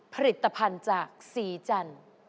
ผลิตภัณฑ์จากสีจันทร์